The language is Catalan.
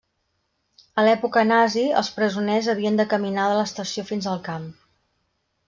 A l'època nazi, els presoners havien de caminar de l'estació fins al camp.